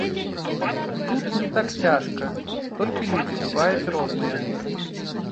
Тут не так цяжка, толькі людзі бываюць розныя.